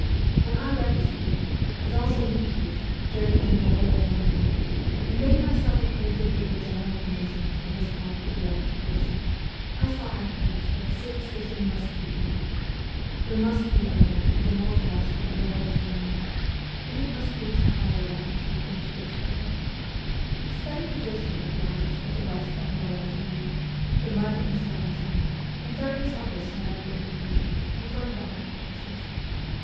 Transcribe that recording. When I read this paper, as also Liitke's ' Journey to Novaya Zemlya,' and made myself ac quainted with the general conditions of this part of the Arctic Ocean, I saw at once that the supposition must be correct. There must be a land to the north 14 MEMOIRS OF A REVOLUTIONIST west of N6vaya Zemlya, and it must reach a higher latitude than Spitzbergen. The steady position of the ice at the west of Novaya Zemlya, the mud and stones on it, and various other smaller indications confirmed the hypothesis.